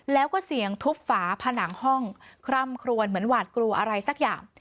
แล้วก็เสียงทุบฝาผนังห้องคร่ำครวนเหมือนหวาดกลัวอะไรสักอย่าง